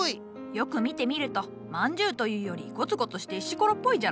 よく見てみると饅頭というよりゴツゴツして石ころっぽいじゃろ？